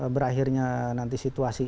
berakhirnya nanti situasi